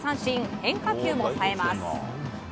変化球も冴えます。